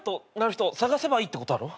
人探せばいいってことだろ？